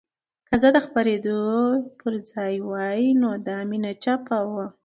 که زه د خپرندوی په ځای وای نو دا مې نه چاپوه.